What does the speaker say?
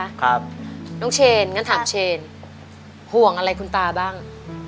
ครับน้องเชนงั้นถามเชนห่วงอะไรคุณตาบ้างอืม